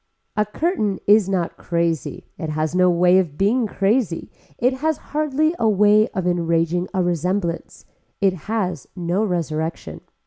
A curtain is not crazy, it has no way of being crazy, it has hardly a way of enraging a resemblance, it has no resurrection.